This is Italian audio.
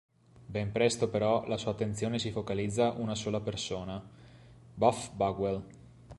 Ben presto però la sua attenzione si focalizza una sola persona, Buff Bagwell.